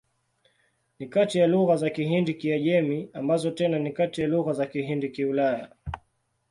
Ni kati ya lugha za Kihindi-Kiajemi, ambazo tena ni kati ya lugha za Kihindi-Kiulaya.